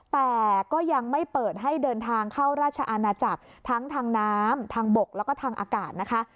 แต่ก็ยังไม่เปิดให้เดินทางเข้าราชอาณาจักรทั้งทางน้ำทางบกแล้วก็ทางอากาศนะคะ